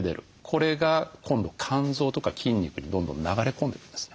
これが今度肝臓とか筋肉にどんどん流れ込んでいくんですね。